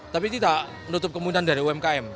tapi itu tak menutup kemudahan dari umkm